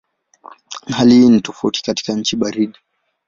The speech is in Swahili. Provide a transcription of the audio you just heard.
Hali hii ni tofauti katika nchi baridi.